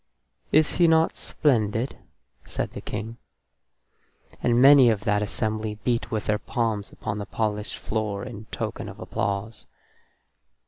"Is he not splendid?" said the King. And many of that assembly beat with their palms upon the polished floor in token of applause.